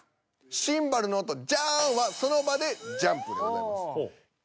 シンバルの音「ジャン」はその場でジャンプでございます。